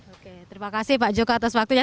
oke terima kasih pak joko atas waktunya